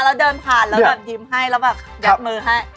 แล้วเดินผ่านแล้วแบบยิ้มให้แล้วแบบยัดมือให้